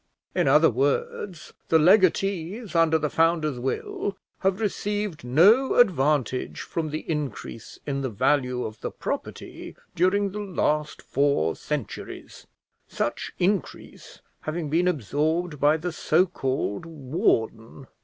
In other words, the legatees under the founder's will have received no advantage from the increase in the value of the property during the last four centuries, such increase having been absorbed by the so called warden.